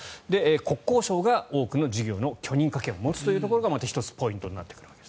国交省が多くの事業の許認可権を持つというところがまた１つポイントになってくると。